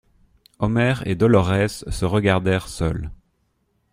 Omer et Dolorès se regardèrent seuls.